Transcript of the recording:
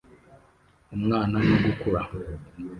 Umwana no gukura